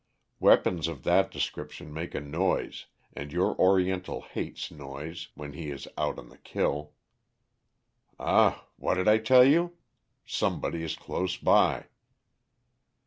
Weapons of that description make a noise and your Oriental hates noise when he is out on the kill. Ah, what did I tell you? Somebody is close by."